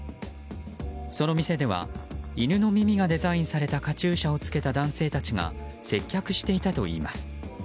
その店では犬の耳がデザインされたカチューシャを着けた男性たちが接客していたといいます。